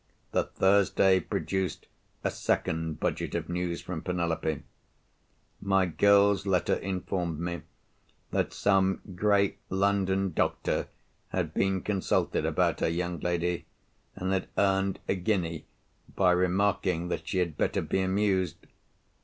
The Thursday produced a second budget of news from Penelope. My girl's letter informed me that some great London doctor had been consulted about her young lady, and had earned a guinea by remarking that she had better be amused.